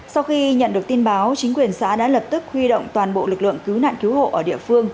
sau khi nhận được tin báo chính quyền xã đã lập tức huy động toàn bộ lực lượng cứu nạn cứu hộ ở địa phương